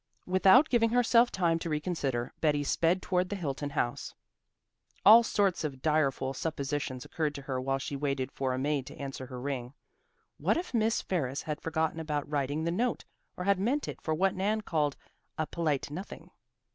Without giving herself time to reconsider, Betty sped toward the Hilton house. All sorts of direful suppositions occurred to her while she waited for a maid to answer her ring. What if Miss Ferris had forgotten about writing the note, or had meant it for what Nan called "a polite nothing"?